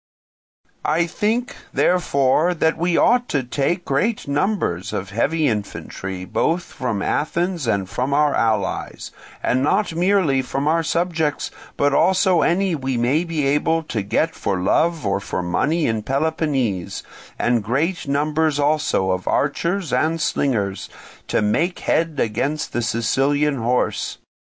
"I think, therefore, that we ought to take great numbers of heavy infantry, both from Athens and from our allies, and not merely from our subjects, but also any we may be able to get for love or for money in Peloponnese, and great numbers also of archers and slingers, to make head against the Sicilian horse.